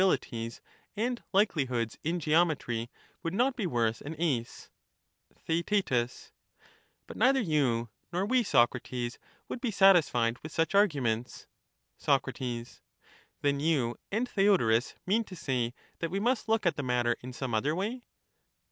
219 bilities and likelihoods in geometry, would not be worth an Tkeaetetm, *Ce. SOOUTBS, TheaeL But neither you nor we, Socrates, would be satis thba«t«tu* fied with such arguments. Soc. Then you and Theodorus mean to say that we must A new start, look at the matter in some other way